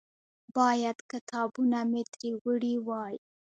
باید کتابونه مې ترې وړي وای.